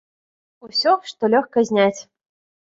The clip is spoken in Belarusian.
Усё, што лёгка зняць.